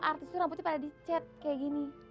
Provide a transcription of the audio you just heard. artis itu rambutnya pada dicet kayak gini